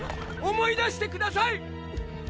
思い出してください！